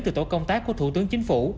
từ tổ công tác của thủ tướng chính phủ